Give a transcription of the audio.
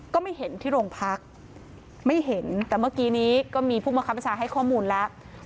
ก็ไม่เห็นที่โรงพักไม่เห็นแต่เมื่อกี้นี้ก็มีผู้บังคับประชาให้ข้อมูลแล้ว